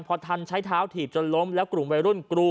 พอทันใช้เท้าถีบจนล้มแล้วกลุ่มวัยรุ่นกรู